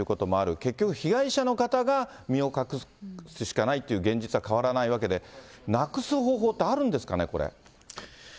結局、被害者の方が身を隠すしかないという現実は変わらないわけで、なくす方法ってあるんですかね、これ。